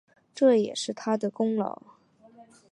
这也是他的功劳